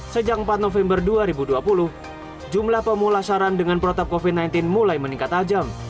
sejak empat november dua ribu dua puluh jumlah pemulasaran dengan protap covid sembilan belas mulai meningkat tajam